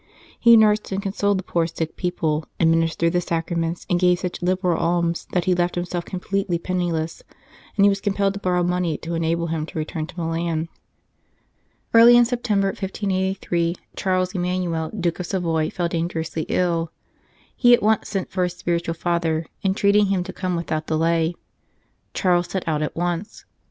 He nursed and consoled the poor sick people, ad ministered the Sacraments, and gave such liberal alms that he left himself completely penniless, and he was compelled to borrow money to enable him to return to Milan. Early in September, 1583, Charles Emmanuel, Duke of Savoy, fell dangerously ill. He at once 210 The Only Way sent for his spiritual father, entreating him to come without delay. Charles set out at once.